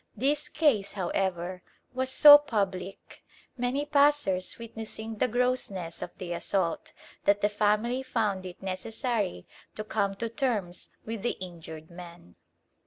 This case, however, was so public, many passers witnessing the grossness of the assault, that the family found it necessary to come to terms with the injured man.